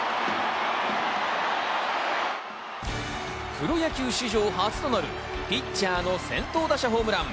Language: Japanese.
プロ野球史上初となるピッチャーの先頭打者ホームラン。